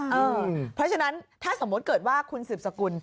เพราะฉะนั้นถ้าสมมุติเกิดว่าคุณสืบสกุล